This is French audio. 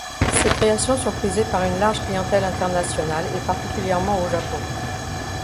Ses créations sont prisée par une large clientèle internationale, et particulièrement au Japon.